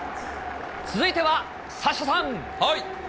続いてはサッシャさん。